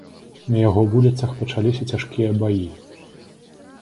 На яго вуліцах пачаліся цяжкія баі.